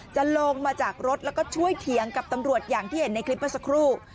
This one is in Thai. จะลงมาจากรถแล้วก็ช่วยเถียงกับตำรวจอย่างที่เห็นในคลิปเมื่อสักครู่